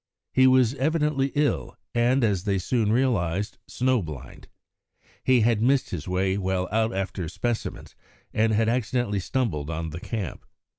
He was evidently ill, and, as they soon realised, snow blind. He had missed his way while out after specimens and had accidentally stumbled on the camp.